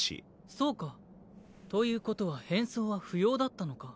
そうか。ということは変装は不要だったのか。